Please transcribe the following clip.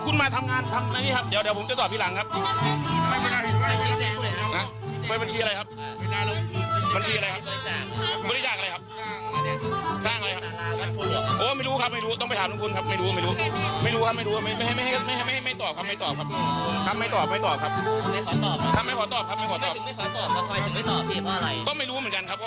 งั้นก็แล้วคุณจะทำอะไรหนะอะไรกันเพราะว่าไม่ได้รันถึงคันนี้